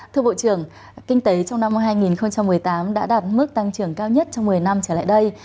thưa bộ trưởng kinh tế trong năm hai nghìn một mươi tám đã đạt mức tăng trưởng cao nhất trong một mươi năm trở lại đây